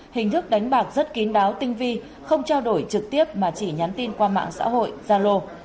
hình thức đánh bạc rất kín đáo tinh vi không trao đổi trực tiếp mà chỉ nhắn tin qua mạng xã hội gia lô